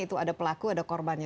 itu ada pelaku ada korbannya